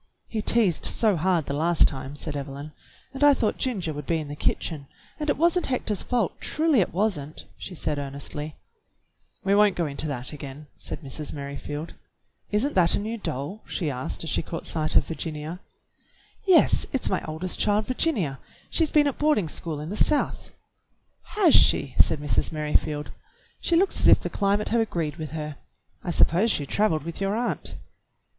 "He teased so hard the last time," said Evelyn, "and I thought Ginger would be in the kitchen. And it was n't Hector's fault, truly it was n't," she said earnestly. "We won't go into that again," said Mrs. Merri NANCY MERRIFIELD AND THE STRANGER 23 field. "Is n't that a new doll?" she asked as she caught sight of Virginia. "Yes, it's my oldest child, Virginia. She's been at boarding school in the South." "Has she.?" said Mrs. Merrifield. "She looks as if the climate had agreed with her. I suppose she traveled with your aunt."